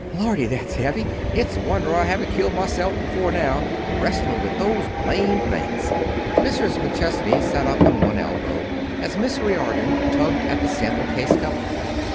"Lordy, that's heavy! It's a wonder I haven't killed myself before now, wrestling with those blamed things." Mrs. McChesney sat up on one elbow as Miss Riordon tugged at the sample case cover.